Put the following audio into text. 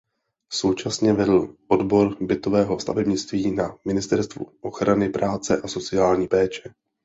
Současně vedl odbor bytového stavebnictví na Ministerstvu ochrany práce a sociální péče.